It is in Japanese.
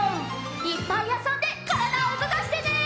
いっぱいあそんでからだをうごかしてね。